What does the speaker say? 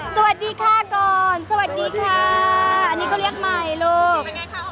สวัสดีค่ะก่อนสวัสดีค่ะอันนี้เขาเรียกใหม่โลก